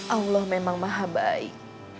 allah memang maha baik